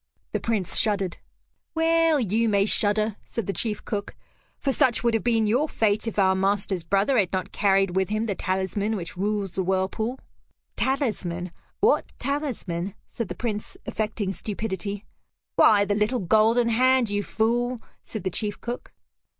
The Prince shuddered. "Well you may shudder," said the chief cook, "for such would have been your fate if our master's brother had not carried with him the talisman which rules the whirlpool." "Talisman? What talisman?" said the Prince affecting stupidity. "Why the little golden hand, you fool," said the chief cook.